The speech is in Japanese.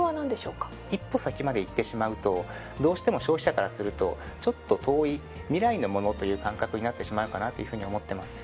一歩先まで行ってしまうとどうしても消費者からするとちょっと遠い未来のものという感覚になってしまうかなというふうに思ってます。